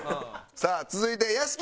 さあ続いて屋敷。